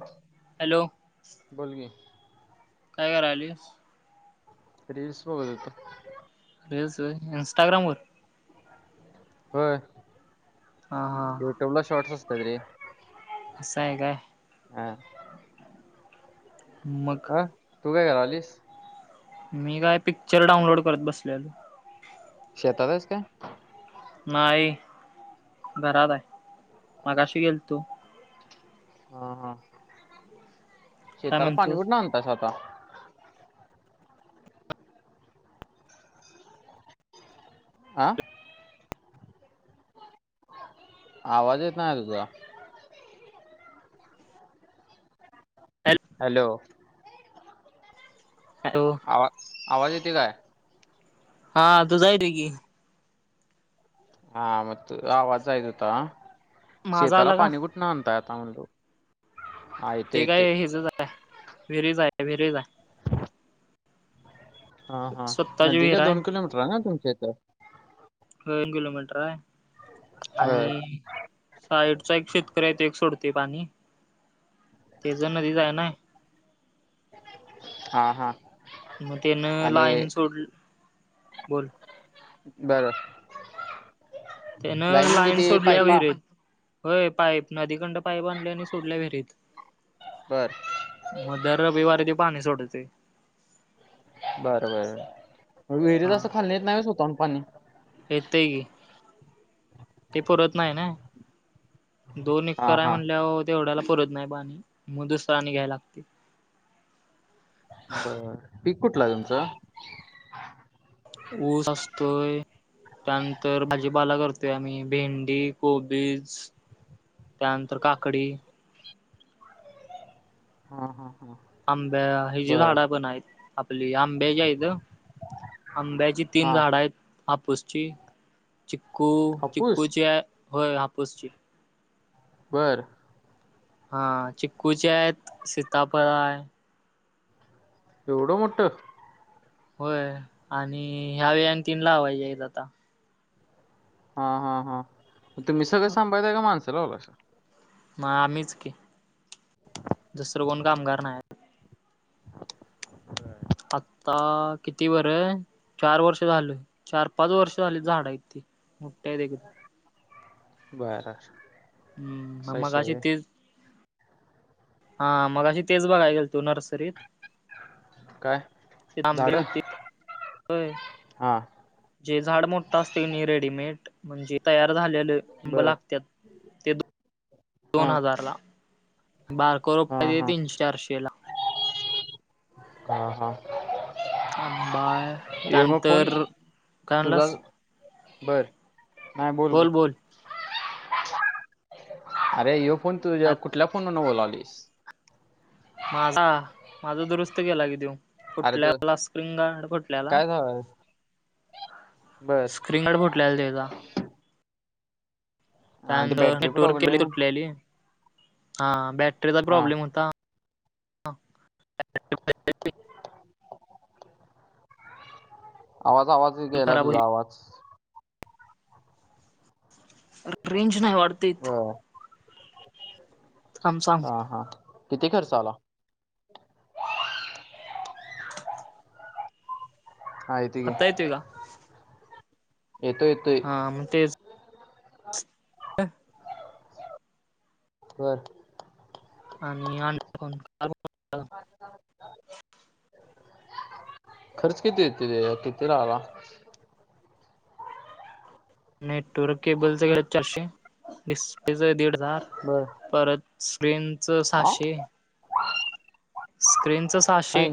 ह हॅलो बोलगी काय करायली रील्स बघत होते रील्स इन्स्टाग्राम वर होय हा हा युट्यूब ल शार्टस असतात रे असं हाय काय हम मग अं तू काय घआलीस मी काय पिक्चर डाउनलोड करत बसलोय शेतात हाईस काय? नाही, घरात हाय, मगाशी गेल तो. हा हा, काय शेताला पाणी म्हणतोस कुठन आणतायसा आता. आ. आवाज येत नाही अजून तुझा. हॅल हॅलो. हॅलो. आवा, आवाज येतोय काय? हा तूजा येतोय की. हा म आवाज जाईत होता, माझा शेताला आला का पाणी कुठण आणताय आता म्हणलो. हा येते ते येते काय हेजच हाय, विहिरीच हाय ते विहिरीच हाय. हा हा, स्वतःची नदी विहीर काय आहे दोन किलोमीटर आहे ना तुमच्या इथं. दोन किलोमीटर हाय, आणि बर साईडचा एक शेतकरी आहे तो एक सोडते पाणी, तेज नदीच हाय नई. हा हा. तेन आणि लाईन सोड, बोल. बरं. त्यानं म्हणजे लाईन ते सोडल्या पायपा विहिरीत, होय पाईप नदीकडून पाईप आणल्या आणि सोडल्या विहिरीत. बर. म दर रविवारी ते पाणी सोडतय. बर बर, विहिरीत अस खाल्ण्यात येत नाही स्वतःहून पाणी. येत की. ते पुरत नाही नाय, दोन हा एककर हा म्हणल्यावर तेवढ्याला पुरत नाही पाणी, म दुसर आणि घ्याया लागतय. बर पीक कुठलं हाय तुमचं? ऊस असतोय. त्यानंतर भाजीपाला करतोय आम्ही भेंडी, कोबीज. त्यानंतर काकडी. हा हा. हा आंब्या हिजी बर. झाडं पण आहेत, आपली आंब्याची हाईत. आंब्याची तीन हा झाडं आहेत. हापूसची, चिक्कू हापूस? चिक्कूची आहे होय हापूसची. बर. हा चिकूचे आहेत, सीताफळ हाय. एवढं मोठ. होय, आणि ह्या वेळी आणि तीन लावायची आहेत आता. हा हा हां, तुम्ही सगळं सांभाळताय का माणसं लावलाय. म आम्हीच की, दुसरं कोण कामगार नाही. आत्ता किती बर चार वर्ष झाली, चार पाच वर्ष झाली झाडे आहेत. [unintelligible] बर. म विषय आहे मगाशी व्हय. तेच हा मगशी तेच बघाय गेलतो नर काय, आंबे झाड, होतीत होय. हा. जे झाड मोठा असतय कणी रेडीमेड, म्हणजे तयार झालेलं. आंबे बर. लागत्यात, ते दोन, हा दोन हजार ला, बार हा [unintelligible] हा तीनशे चारशे ला. हा हा. आंबाये, ह्यो मग फोन त्यानंतर, काय तुझा म्हणलास? बर नाही बोल बोल अरे ह फोन आ तुझ्या कुठल्या फोनवर न बोलावलीस माझा माझा दुरुस्त केला की देऊ फुटल्याला स्क्रिंग गार्ड फुटल्याला हा स्क्रीन गड फुटलेला ते का आणि ती त्यानंतर बॅटरी कुठं नेटवर्क केले उघडली? सुटलेली हा बॅटरीचा हा प्रॉब्लेम होता आवाज आवाज गेला खराब होती तुझा आवाज रेंज नाही वाढते हम थांब सा ह हा किती खर्च आला आय आता येत का येतो हा मग तेच अ बर आणि अंण [unintelligible] खर्च किती येत ते किती राहाला नेटवर्क केबलचं गेलं चारशे डिस्प्लेच दीड हजार बर परत स््रींच हा सहाशेऽ स्क्रीनचं सहाशे हाय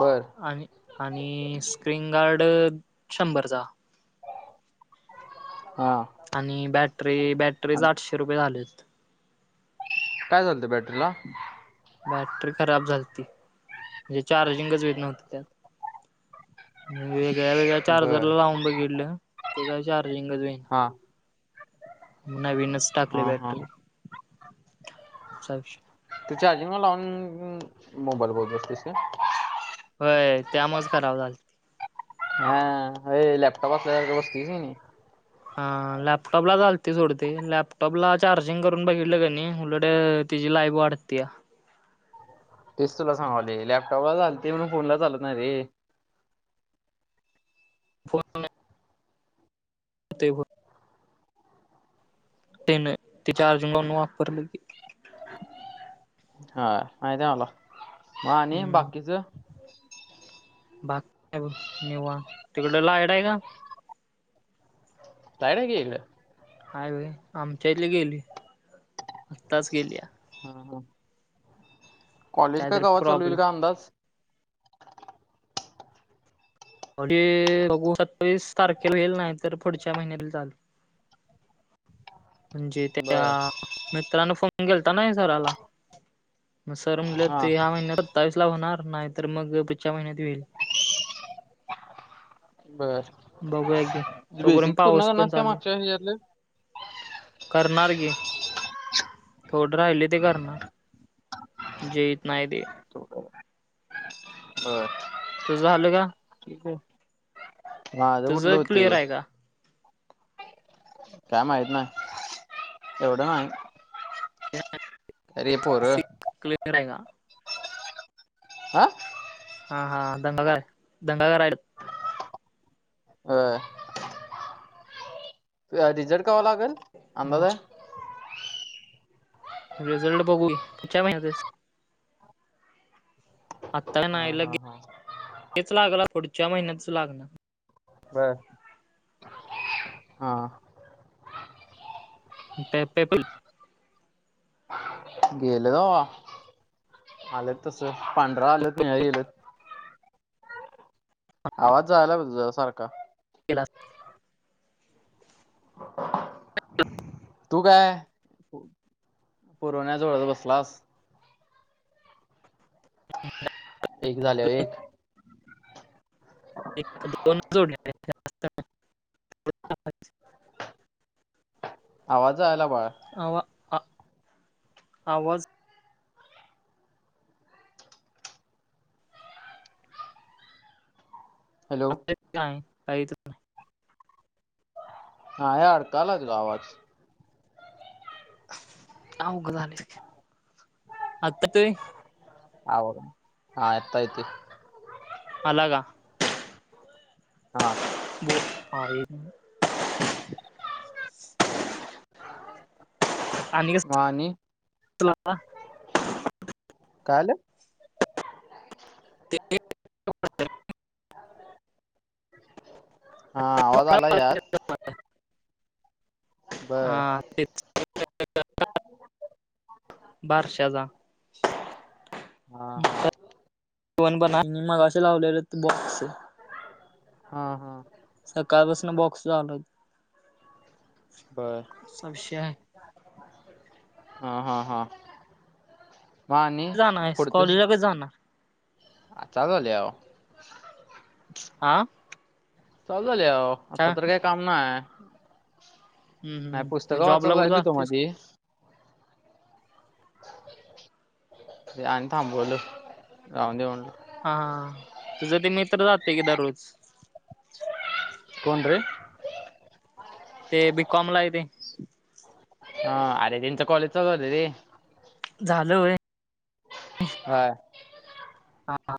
बरं आणि आणि स्क्रीन गार्ड शंभरचा हम आणि बॅटरी बॅटरीच आठशे रुपये झालेत काय झाले ते बॅटरी ला बॅटरी खराब झालती म्हणजे चार्जिंगच होते नव्हते त्यात वेगळ वेळ्या चार्जर बर लावून बघितलं ते काय चार्जिंगच व्हने हा नविनच टाकली हा हा बॅटरी,, साऽ तू चार्जिंग ला लाऊन, मोबाईल बोलत बसलीस काय? वय,, त्यामुळेच खरावब झालंती. हा,, वयअ लॅपटप असल्या बस्तीस की नै. हा,, लॅपटॉप ला झालत सोडते,, लॅपटॉपला चार्जिंग करून बघितलं,, त्यांनी उलटऽ तिज लाई ब वाढत्या. तेच तुला सांगालोय,, लॅपटॉपला चालत्या मणून फोनला चालत नाही रे. फोन, ते होऽ तेन,, ति चार्जिंग लाऊन वापरलं की. हा,, माहती आहे मला,, म आणि हम्म बाकीच? बाकी काय ब निवांत,, तिकड लाईट आहे का? लाईट आय की इकडं. हाय वय,, आमच्या इथले गेली,, आत्ताच गेल्या. हा हा, कॉलेज काय, कायतरी कवा चाल होईल प्रॉब्लेम काय अंदाज. अरे बघू, सत्तावीस तारखेला होईल,, नाही तर पुढच्या महिन्यात चालऽ म्हणजे त्या,, बर मित्रांन फोन केलाता ना सराला. मग सर म्हटलं, हा तर ह्या महिन्यात सत्तावीस ला होणार,, नाही तर मग पुढच्या महिन्यात होईल. बर,, बघूया की तोपर्यंत बेसिक पूर्ण पाऊस पण करणारस का चालू आहे. मागच्या हच्यातलेच.. करणार कि,, थोड राहिलय ते करणार. जी ऐत नाय ते. हो का? होय, तुझ झाल का? ठीक आहे, माझं कुठलं तुझं क्लिअर हुतय? आहे का काय माहित नाही,, एवढं नाही. अरे पोरंऽ क्लिनर आय का? आं,, हा, हा, दंगा, घर दंगा घर आहे बर. रिझल्ट कवां लागल,, अंदाज मग आहे. रिझल्ट बघू की पुढच्या महिन्यातसऽ आता नाही हा ला हा हा गेच लागल, पुढच्या महिन्यातच लागणार. बर. हा पेपल गेलं ग आलेत तस पांढरा आलत नि गेल आवाज जायला म तुझ्यासारखा केला तू काय? पुरवण्या जूळवत बसलास. एक झाले एकऽ एक दोन जोड्या हायत्याऽ ह आवाज आयला बाळऽ आवा, आवाज. हॅलो आता काय? काही तर नाही. हा, या अडकालच तूझा आवाज. अवघड झालेय,, आता तेऽ आवाज,, हां,, आता ऐकतोय. आला का? हां, बोल,, आहे. आणि मग आणि क काल. ते हा आवाज आला यात हा बर ते बार शजा हा हा वण बणा मग असे लावलेले बॉक्स. हा हा सकाळपासून बॉक्स चाल हो बर विषय आहे हा हा हा म आणि पुढतच जा ना आ चालू लह आह चाल झाले हो आता तर काय काम नाय हम्म नाही हम्म पुस्तक मग जॉबला वाचायला कुठे जात होतो जातेस मधी [inaudible] आणि थांबवलं जाऊन दे म्हणलं. हा हा तुझं ते मित्र जातय की दररोज कोण रे? ते बीकॉमला हाय ते हा अरे त्यांच कॉलेज चालू झालय रे. झाल होय. हा. हा हा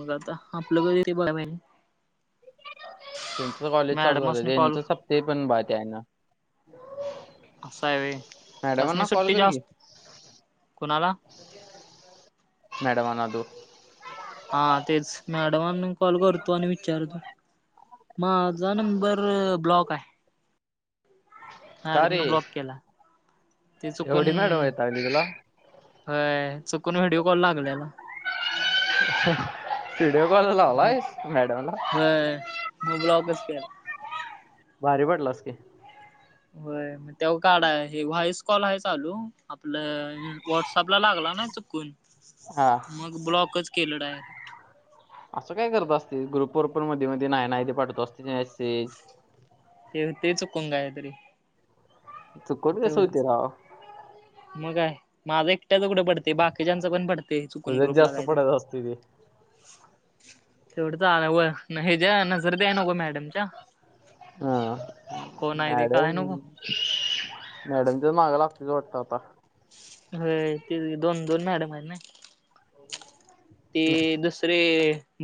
मग आता आपलं कधी बघाय त्यांच कॉलेज चालू झालय, मॅडमसनी कॉल त्यांच सपतय पण भाय आहे ना अस हाय व्हय त्यासणी सुट्टी जास्त, कुणाला? मॅडम अनालतो. हा तेच मॅडमांना कॉल करतो आणि विचारतो. माझा नंबर ब्लॉक हाय. का मॅडम रे न ब्लॉक केला. ते चुकुन एवढी मॅडम वैतागली तुला व्हय चुकून व्हिडिओ कॉल लागलेला. व्हिडिओ कॉल लावलायस मॅडम ला व्हय मग ब्लॉकच केला. भारी पडलास की व्हय. जिओ कार्ड हाय हे व्हॉइस कॉल हाय चालू, आपलं व्हॉट्सअपला लागला ना चुकून [inaudible] हां. मग ब्लॉकच केलं डायरेक्ट असं काय करत असतय, ग्रुपवर पण मध्ये मध्ये नाही नाही ते पाठवत असतय मेसेज ते येतय चुकून काय तरी चुकुन कसं होतय राव! मग काय माझं एकट्याच कुठ पडतय? बाकीच्यानच पण पडतय चुकून तुझ्यात ग्रुपला जास्त काहीतरी पडत असते ते ह [inaudible] तेवढच आ हेज्या नजरत याय नको मॅडमच्या हा कोण हाय ते कळाय नको. मॅडमच्याच मागा लागतोस वाटतय आता व्हय ते दोन दोन मॅडम आहेत ना. हं, ती दुसरी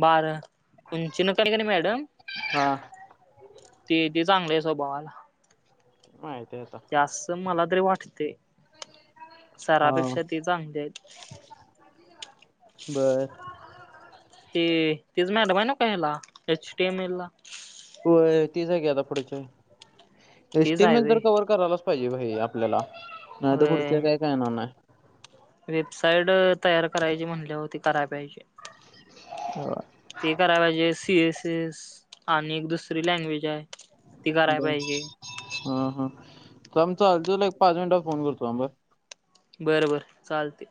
बार उंची न कणी मॅडम हा ती हाय ती चांगली हाय स्वभावान माहितीय आता आसं मला तरी वाटतय, हा सरापेक्षा ते चांगले आहेत. बर ते तीच मॅडम हाय ना का, हेला एच टी एम एल ला होय. तीच आहे कि, आता पुढच्या एच तेच टी एम आहे एल व्हय तर कवर करायलाच पाहिजे भाई आपल्याला, नाही तर पुढचे व्हय. काय कळणार नाही. वेबसाईट तयार करायची म्हटल्यावरती कराय पाहिजे. व्हय. ते कराय पाहिजे, सी एस एस आणि एक दुसरी लँग्वेज हाय. हा हा थांब चालतय, तुला एक पाच मिनिटात फोन करतो थांब हा. बरं बरं चालतय.